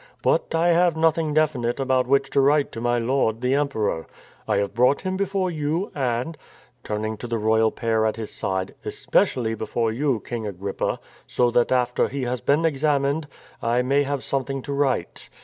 But I have nothing definite about which to write to my Lord, the Emperor. I have brought him before you and "— turning to the royal pair at his side —" especially before you, King Agrippa, so that, after he has been examined, I may have something to write.